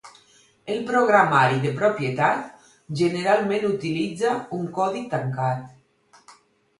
El programari de propietat generalment utilitza un codi tancat.